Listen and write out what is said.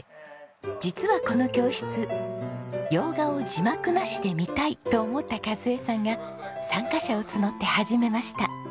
実はこの教室洋画を字幕なしで見たいと思った和枝さんが参加者を募って始めました。